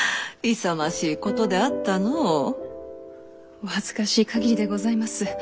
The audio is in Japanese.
お恥ずかしいかぎりでございます。